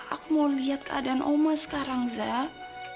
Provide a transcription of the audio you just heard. aku mau lihat keadaan oma sekarang zah